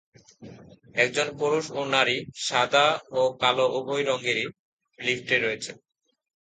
একজন পুরুষ ও নারী, সাদা ও কালো উভয় রঙেরই, লিফটে রয়েছে।